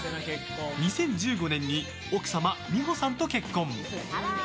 ２０１５年に奥様・美保さんと結婚。